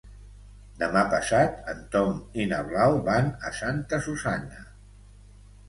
Demà passat en Tom i na Blau van a Santa Susanna.